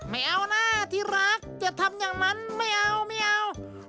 ไม่เอานะที่รักจะทำอย่างนั้นไม่เอาไม่เอา